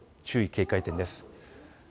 注意、警戒点です。